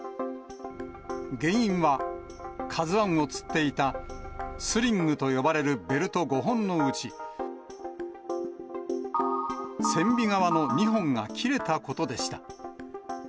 原因は、ＫＡＺＵＩをつっていたスリングと呼ばれるベルト５本のうち、船尾側の２本が切れたことでした。